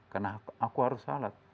karena aku harus salat